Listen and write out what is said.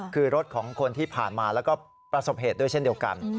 คือรถของคนที่ผ่านมาแล้วก็ประสบเหตุด้วยเช่นเดียวกัน